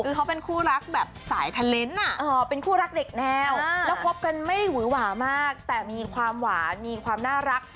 คือเขาเป็นคู่รักแบบสายทะเลนส์เป็นคู่รักเด็กแนวแล้วคบกันไม่ได้หวือหวามากแต่มีความหวานมีความน่ารัก